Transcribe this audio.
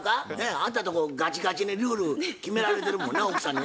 あんたんとこがちがちにルール決められてるもんな奥さんに。